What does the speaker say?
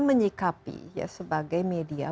menyikapi sebagai media